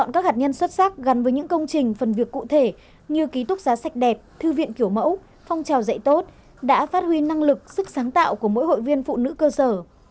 các hạt nhân xuất sắc gắn với những công trình phần việc cụ thể như ký túc giá sạch đẹp thư viện kiểu mẫu phong trào dạy tốt đã phát huy năng lực sức sáng tạo của mỗi hội viên phụ nữ cơ sở